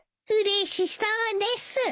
うれしそうです。